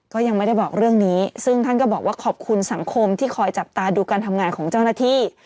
ก็ยังไม่ได้บอกเรื่องนี้ซึ่งท่านก็บอกว่าขอบคุณสังคมที่คอยจับตาดูการทำงานของเจ้าหน้าที่